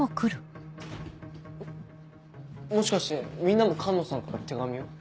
もしかしてみんなも寒野さんから手紙を？